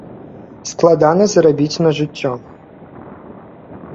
Складана зарабіць на жыццё.